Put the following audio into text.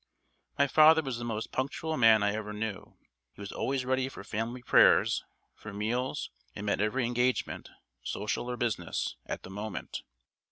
My father was the most punctual man I ever knew. He was always ready for family prayers, for meals, and met every engagement, social or business, at the moment.